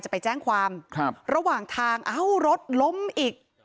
จะไปแจ้งความระหว่างทางรถล้มอีก